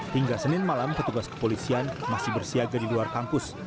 hingga senin malam petugas kepolisian masih bersiaga di luar kampus